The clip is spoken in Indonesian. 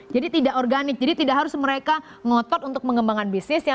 jadi tidak organik jadi tidak harus mereka ngotot untuk mengembangkan bisnis